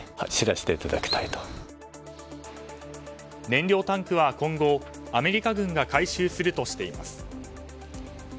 燃料タンクは今後アメリカ軍が回収するとしています。